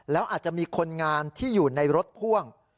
แล้วอาจจะมีคนงานที่อยู่ในรถพ่วง